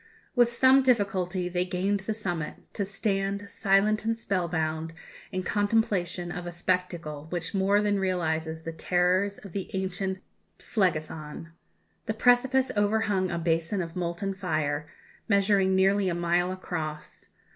With some difficulty they gained the summit to stand, silent and spell bound, in contemplation of a spectacle which more than realizes the terrors of the ancient Phlegethon. The precipice overhung a basin of molten fire, measuring nearly a mile across.